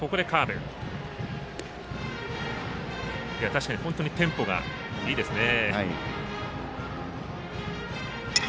確かに本当にテンポがいいですね。